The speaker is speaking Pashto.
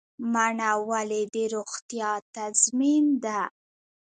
مڼه ولې د روغتیا تضمین ده؟